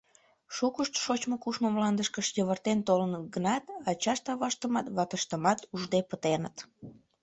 Шукышт, шочмо-кушмо мландышкышт йывыртен толыныт гынат, ача-аваштымат, ватыштымат ужде пытеныт.